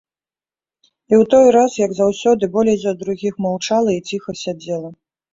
І ў той раз, як заўсёды, болей за другіх маўчала і ціха сядзела.